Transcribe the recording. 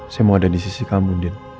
saya mau ada di sisi kamu din